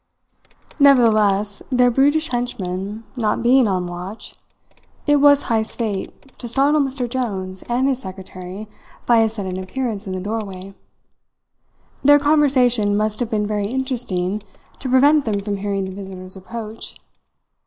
Nevertheless, their brutish henchman not being on watch, it was Heyst's fate to startle Mr. Jones and his secretary by his sudden appearance in the doorway. Their conversation must have been very interesting to prevent them from hearing the visitor's approach.